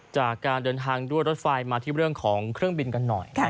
จากการเดินทางด้วยรถไฟมาที่เรื่องของเครื่องบินกันหน่อย